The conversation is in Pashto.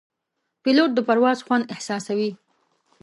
پیلوټ د پرواز خوند احساسوي.